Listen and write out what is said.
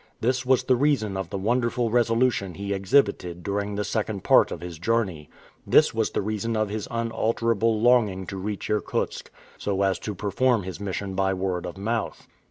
This was the reason of the wonderful resolution he exhibited during the second part of his journey. This was the reason of his unalterable longing to reach Irkutsk, so as to perform his mission by word of mouth.